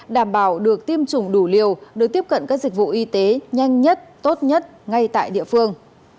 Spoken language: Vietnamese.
đảm bảo được tiêm chủng đủ liều được tiếp cận các dịch vụ y tế nhanh nhất tốt nhất ngay tại địa phương